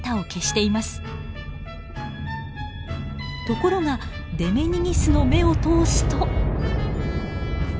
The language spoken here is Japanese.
ところがデメニギスの目を通すと。